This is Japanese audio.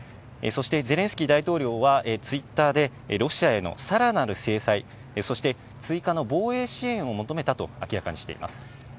そしてゼレンスキー大統領は、ツイッターでロシアへのさらなる制裁、そして追加の防衛支援を求めたと明らかにしています。